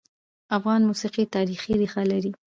افغان موسیقي تاریخي ريښه لري.